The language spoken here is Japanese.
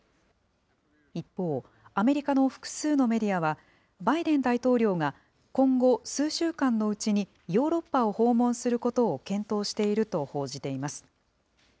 一方、アメリカの複数のメディアは、バイデン大統領が今後数週間のうちに、ヨーロッパを訪問することを検討していると報じています。